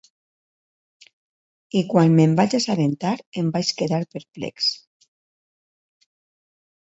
I quan me'n vaig assabentar, em vaig quedar perplex.